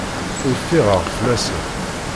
Ur ffiɣeɣ fell-asen.